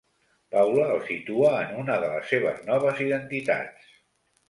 Paula el situa en una de les seves noves identitats.